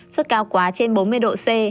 sốt cao quá trên bốn mươi độ c